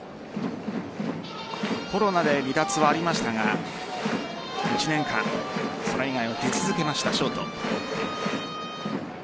コロナで離脱はありましたが１年間それ以外は出続けましたショート。